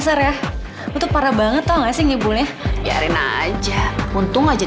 sampai jumpa di video selanjutnya